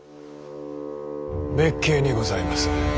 滅敬にございます。